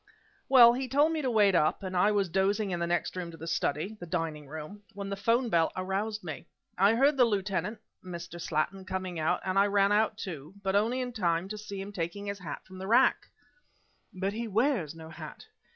"Well, he told me to wait up, and I was dozing in the next room to the study the dining room when the 'phone bell aroused me. I heard the lieutenant Mr. Slattin, coming out, and I ran out too, but only in time to see him taking his hat from the rack " "But he wears no hat!"